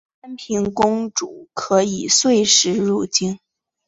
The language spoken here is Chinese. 安平公主可以岁时入京。